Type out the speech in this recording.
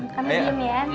kami diam ya